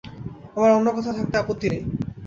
আমার অন্য কোথাও থাকতে আপত্তি নেই।